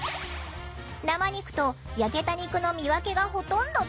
生肉と焼けた肉の見分けがほとんどつかない。